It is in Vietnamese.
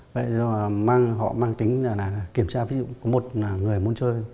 vậy họ mang tính kiểm tra ví dụ có một người muốn chơi